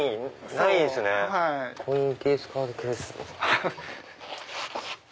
コインケースカードケース。